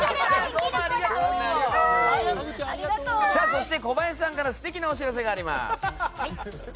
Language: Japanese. そして、小林さんから素敵なお知らせがあります。